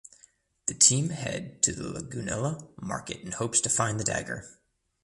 The team head to the Lagunilla market in hopes to find the dagger.